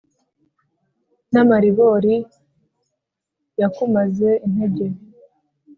n’amaribori yakumaze intege !